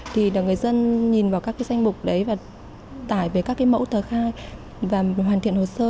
thì người dân nhìn vào các danh mục đấy và tải về các cái mẫu tờ khai và hoàn thiện hồ sơ